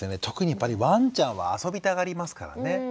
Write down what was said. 特にやっぱりワンちゃんは遊びたがりますからね。